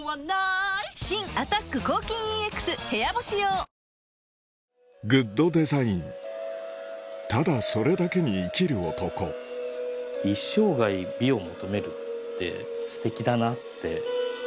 新「アタック抗菌ＥＸ部屋干し用」「グッドデザイン」ただそれだけに生きる男一生涯美を求めるってステキだなって。